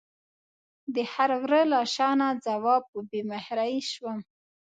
د هر وره له شانه ځواب په بې مهرۍ شوم